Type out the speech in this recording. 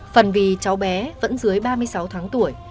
phần vì cháu bé vẫn dưới ba mươi sáu tháng tuổi